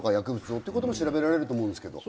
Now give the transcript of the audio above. っていうことも調べられると思うんですけど。